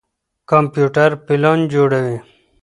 کمپيوټر پلان جوړوي.